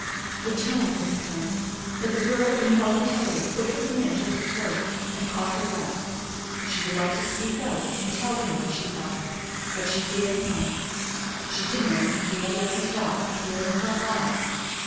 The tone was kind; but the girl involuntarily put her hand to her throat, and caught her breath. She would like to speak out and tell him what she thought, but she dared not. She did not even dare let her thought appear in her eyes.